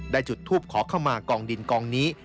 จุดทูปขอเข้ามากองดินกองนี้